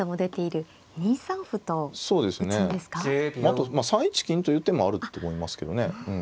あと３一金という手もあると思いますけどね。